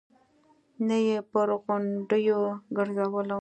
نه يې پر غونډيو ګرځولم.